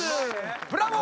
ブラボー！